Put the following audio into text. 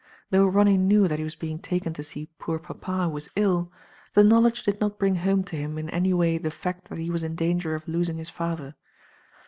Though Ronny knew that he was being taken to see "Poor papa, who was ill," the knowledge did not bring home to him in any way the fact that he was in danger of losing his father.